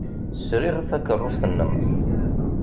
Sriɣ takeṛṛust-nnem.